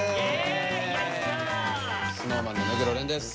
ＳｎｏｗＭａｎの目黒蓮です。